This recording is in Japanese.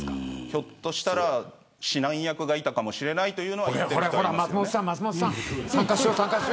ひょっとしたら指南役がいたのかもしれないといわれています。